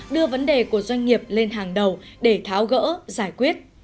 đưa vấn đề của doanh nghiệp lên hàng đầu để tháo gỡ giải quyết